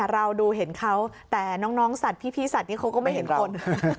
เราดูเห็นเขาแต่น้องสัตว์พี่สัตว์นี้เขาก็ไม่เห็นคน